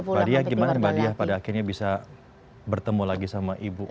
badiah gimana badiah pada akhirnya bisa bertemu lagi sama ibu